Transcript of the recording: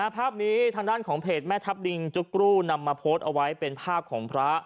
ภาพนี้ทางด้านของเพจแม่ทัพดิงจุ๊กกรูนำมาโพสต์เอาไว้เป็นภาพของพระ